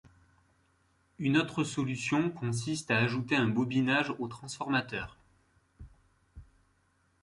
Une autre solution consiste à ajouter un bobinage au transformateur.